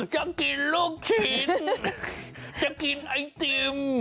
จะกินลูกชิ้นจะกินไอติม